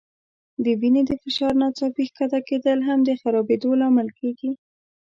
د وینې د فشار ناڅاپي ښکته کېدل هم د خرابېدو لامل کېږي.